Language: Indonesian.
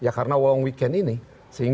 saya berharap penyelenggara mengantisipasi ini